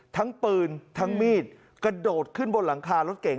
ทั้งปืนทั้งมีดกระโดดขึ้นบนหลังคารถเก่ง